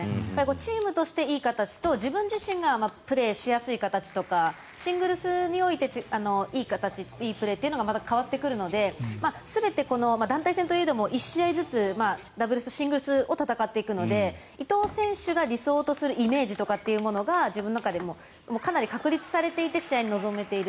チームとしていい形と自分自身がプレーしやすい形とかシングルスにおいていい形、いいプレーというのがまた変わってくるので全て団体戦といえども１試合ずつダブルス、シングルスを戦っていくので伊藤選手が理想とするイメージとかっていうものが自分の中でかなり確立されていて試合に臨めている。